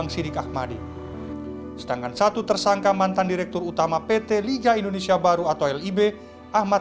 sidik ahmadi sedangkan satu tersangka mantan direktur utama pt liga indonesia baru atau lib ahmad